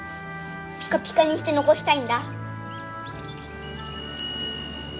ピカピカにして残したいんだ。